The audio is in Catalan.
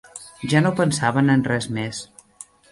Ja no pensaven en res més